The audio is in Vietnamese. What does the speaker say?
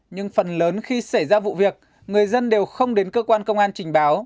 nhưng phần lớn khi xảy ra vụ việc người dân đều không đến cơ quan công an trình báo